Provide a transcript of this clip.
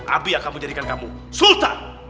abi akan menjadikan kamu sultan